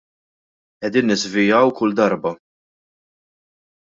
Qegħdin niżvijaw kull darba.